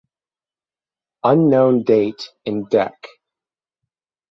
Unknown date in Dec.